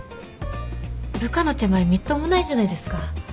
部下の手前みっともないじゃないですか。